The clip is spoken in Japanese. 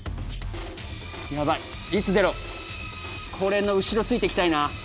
ヤバいいつ出ろこれの後ろついていきたいな